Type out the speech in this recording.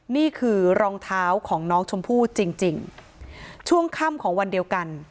นี่คือรองเท้าของน้องชมพู่จริงจริงช่วงค่ำของวันเดียวกัน